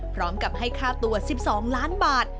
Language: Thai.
พร้อมกับให้ค่าตัว๑๒ล้านบาท